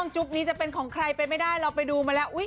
จุ๊บนี้จะเป็นของใครไปไม่ได้เราไปดูมาแล้ว